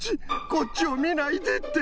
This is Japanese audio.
こっちをみないでって！